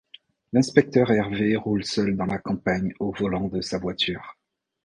L’inspecteur Hervé roule seul dans la campagne au volant de sa voiture.